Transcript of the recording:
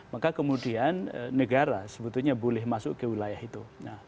maka kemudian negara sebetulnya boleh masuk ke wilayah itu